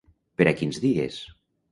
Per a quins dies?